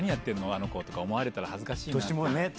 あの子とか思われたら恥ずかしいなって。